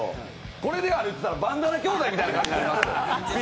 これで歩いてたらバンダナ兄弟みたいになりますよ。